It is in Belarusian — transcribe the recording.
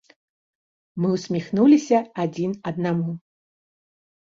Мы ўсміхнуліся адзін аднаму.